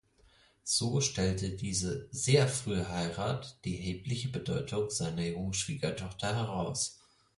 So stellte diese sehr frühe Heirat die erhebliche Bedeutung seiner jungen Schwiegertochter heraus.